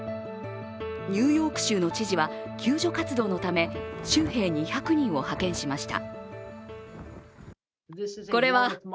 ニューヨーク州の知事は救助活動のため州兵２００人を派遣しました。